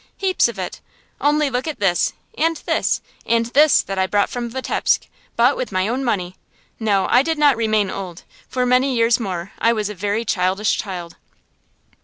Heaps of it! Only look at this, and this, and this that I brought from Vitebsk, bought with my own money! No, I did not remain old. For many years more I was a very childish child.